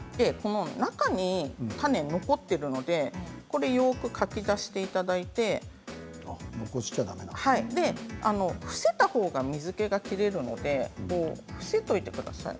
中に種が残っているのでよくかき出していただいて伏せたほうが水けが切れるので伏せておいてください。